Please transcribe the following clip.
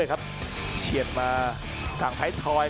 อัศวินาศาสตร์